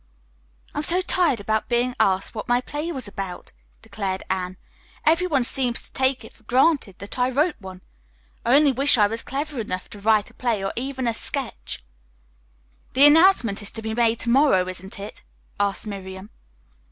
"I am so tired of being asked what my play was about," declared Anne. "Everyone seems to take it for granted that I wrote one. I only wish I were clever enough to write a play or even a sketch." "The announcement is to be made to morrow isn't it?" asked Miriam.